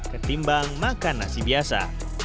ketimbang makan nasi biasa